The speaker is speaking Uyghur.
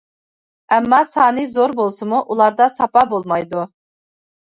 ئەمما، سانى زور بولسىمۇ، ئۇلاردا ساپا بولمايدۇ.